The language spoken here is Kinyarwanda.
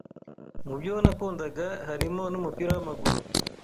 mubyo nakundaga harimo n’umupira w’amaguru,